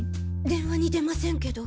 電話に出ませんけど。